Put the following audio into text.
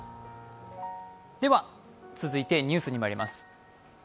続いてニュースにまいります。